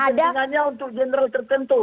akhirnya kepentingannya untuk jenderal tertentu